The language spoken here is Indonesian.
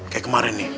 kayak kemarin nih